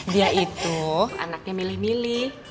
dia itu anaknya milih milih